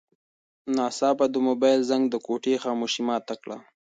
ناڅاپه د موبایل زنګ د کوټې خاموشي ماته کړه.